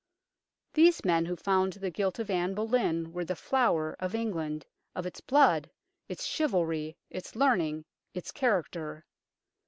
These men who found the guilt of Anne Boleyn were the flower of England, of its blood, its chivalry, its learning, its character.